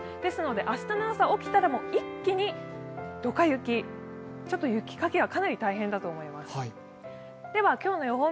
明日の朝、起きたら一気にドカ雪、雪かきがかなり大変だと思います。